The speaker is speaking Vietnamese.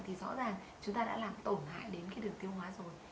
thì rõ ràng chúng ta đã làm tổn hại đến cái đường tiêu hóa rồi